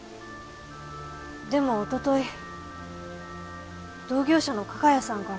でも一昨日同業者の加賀谷さんから。